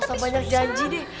gak usah banyak janji deh